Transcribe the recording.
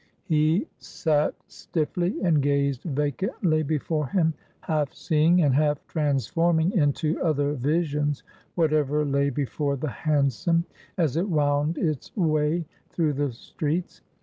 He sat stiffly, and gazed vacantly before him, half seeing and half transforming into other visions whatever lay before the hansom, as it wound its way through the streets.